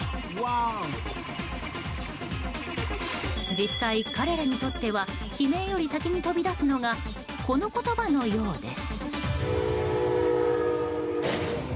実際、彼らにとっては悲鳴より先に飛び出すのがこの言葉のようです。